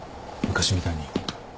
昔みたいに。